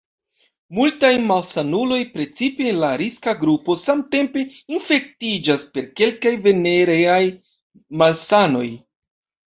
Multaj malsanuloj, precipe el la riska grupo, samtempe infektiĝas per kelkaj venereaj malsanoj.